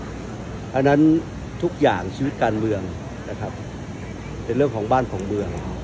เพราะฉะนั้นทุกอย่างชีวิตการเมืองนะครับเป็นเรื่องของบ้านของเมือง